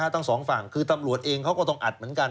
ทั้งสองฝั่งคือตำรวจเองเขาก็ต้องอัดเหมือนกัน